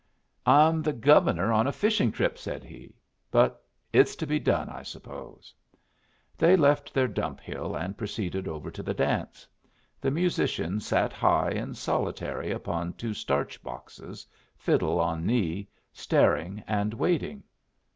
"I'm the Governor on a fishing trip," said he. "But it's to be done, I suppose." They left their dump hill and proceeded over to the dance. The musician sat high and solitary upon two starch boxes, fiddle on knee, staring and waiting.